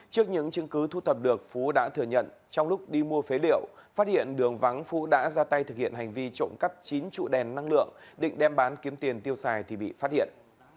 trước những chứng cứ thu thập được phú đã thừa nhận trong lúc đi mua phế liệu phát hiện đường vắng phú đã ra tay thực hiện hành vi trộm cắp chín trụ đèn năng lượng định đem bán kiếm tiền tiêu xài thì bị phát hiện